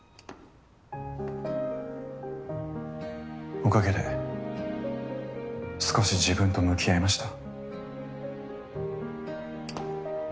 おかげで少し自分と向き合えました。